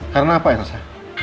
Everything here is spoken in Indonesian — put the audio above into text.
karena apa ya ressa